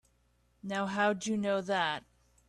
Now how'd you know that?